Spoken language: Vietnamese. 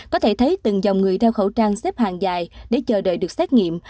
có thể thấy từng dòng người đeo khẩu trang xếp hàng dài để chờ đợi được xét nghiệm